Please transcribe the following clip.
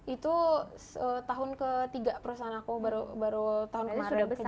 itu tahun ke tiga perusahaan aku baru tahun kemarin kejadian